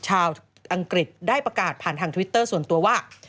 อังกฤษได้ประกาศผ่านทางทวิตเตอร์ส่วนตัวว่า